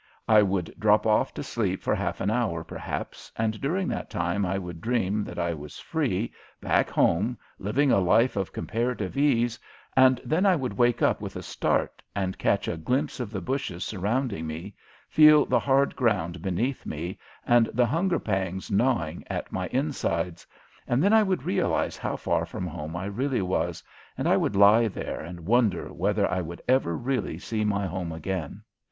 I would drop off to sleep for half an hour, perhaps, and during that time I would dream that I was free, back home, living a life of comparative ease, and then I would wake up with a start and catch a glimpse of the bushes surrounding me, feel the hard ground beneath me and the hunger pangs gnawing at my insides, and then I would realize how far from home I really was, and I would lie there and wonder whether I would ever really see my home again.